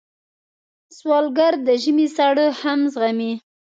سوالګر د ژمي سړه هم زغمي